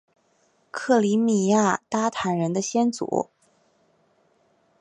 克里米亚鞑靼人的先祖？